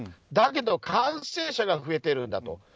だけど感染者が増えているんだと。